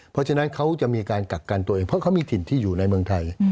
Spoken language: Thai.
เพราะฉะนั้นเขาจะมีการกักกันตัวเองเพราะเขามีถิ่นที่อยู่ในเมืองไทย